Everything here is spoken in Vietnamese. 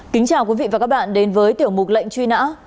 kính chào quý vị và các bạn đến với tiểu mục lệnh truy nã